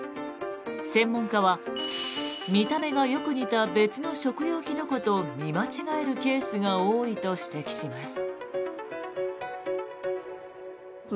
専門家は見た目がよく似た別の食用キノコと見間違えるケースが多いと指摘します。